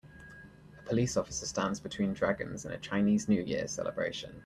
A police officer stands between dragons in a Chinese New Year celebration.